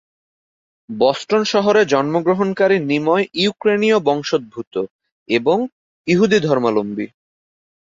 Boston শহরে জন্ম গ্রহণকারী নিময় ইউক্রেনীয় বংশোদ্ভূত, এবং ইহুদী ধর্মাবলম্বী।